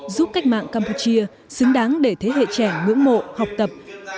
giúp cách mạng campuchia xứng đáng để thế hệ trẻ ngưỡng mộ học tập